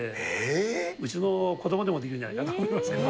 うちの子どもでも出来るんじゃないかなと思いますけど。